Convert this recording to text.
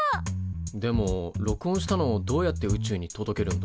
でも録音したのをどうやって宇宙に届けるんだ？